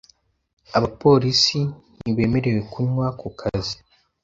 Abapolisi ntibemerewe kunywa ku kazi .